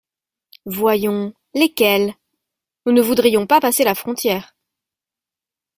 Voyons ; lesquelles ? »Nous ne voudrions pas passer la frontière.